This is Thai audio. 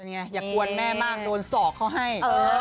อยากกวนแม่มากโดนสอกเขาให้